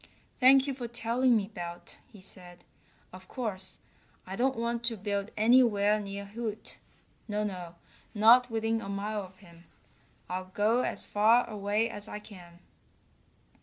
"Thank you for telling me, Belt," he said. "Of course, I don't want to build anywhere near Hoot. No, no, not within a mile of him. I'll go as far away as I can."